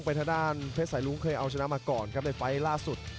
ทางด้านเพชรสายรุ้งเคยเอาชนะมาก่อนครับในไฟล์ล่าสุด